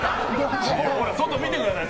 外見てください。